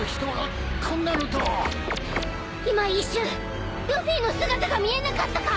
今一瞬ルフィの姿が見えなかったか！？